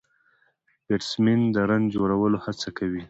بيټسمېن د رن جوړولو هڅه کوي.